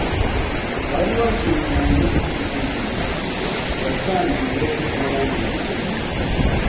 Bari bazunguye umurimo watangiwe n'abandi bakozi.